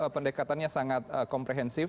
pendekatannya sangat komprehensif